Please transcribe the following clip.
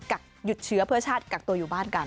หยุดเชื้อเพื่อชาติกักตัวอยู่บ้านกัน